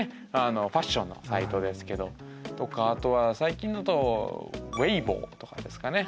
ファッションのサイトですけど。とかあとは最近だとＷｅｉｂｏとかですかね。